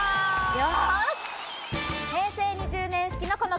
よし！